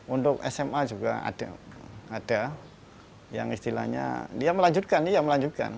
untuk sma juga ada yang istilahnya dia melanjutkan dia melanjutkan